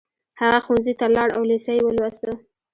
هغه ښوونځي ته لاړ او لېسه يې ولوسته